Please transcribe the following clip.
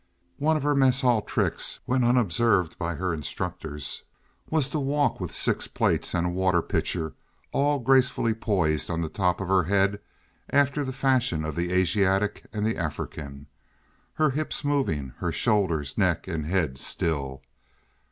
One of her mess hall tricks, when unobserved by her instructors, was to walk with six plates and a water pitcher all gracefully poised on the top of her head after the fashion of the Asiatic and the African, her hips moving, her shoulders, neck, and head still.